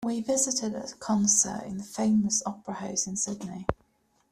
We visited a concert in the famous opera house in Sydney.